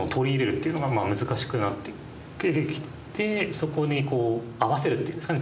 そこにこう合わせるっていうんですかね。